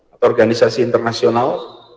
atau organisasi internasional